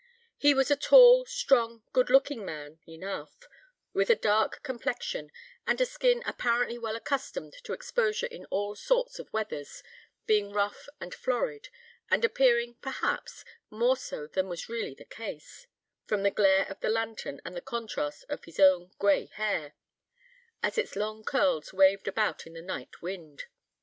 He was a tall, strong, good looking man enough, with a dark complexion, and a skin apparently well accustomed to exposure in all sorts of weathers, being rough and florid, and appearing, perhaps, more so than was really the case, from the glare of the lantern and the contrast of his own gray hair, as its long curls waved about in the night wind.